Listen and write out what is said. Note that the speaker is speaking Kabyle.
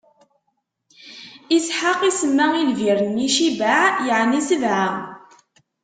Isḥaq isemma i lbir-nni: Cibɛa, yeɛni Sebɛa.